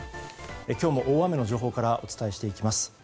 今日も大雨の情報からお伝えしていきます。